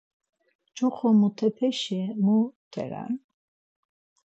Coxomutepeşi mu t̆eren.?